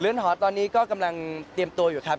หอตอนนี้ก็กำลังเตรียมตัวอยู่ครับ